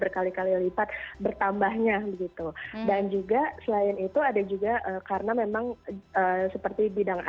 berkali kali lipat bertambahnya begitu dan juga selain itu ada juga karena memang seperti bidang